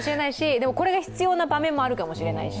でもこれが必要な場面もあるかもしれないし。